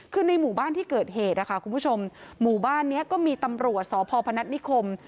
คือในหมู่บ้านที่เกิดเหตุนะคะคุณผู้ชมหมู่บ้านนี้ก็มีตำรวจสพพนัฐนิคม